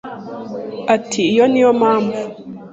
Ati iyo niyo mpamvu